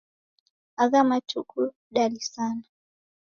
Agha matuku dalisana.